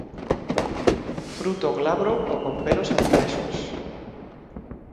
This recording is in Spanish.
Fruto glabro o con pelos adpresos.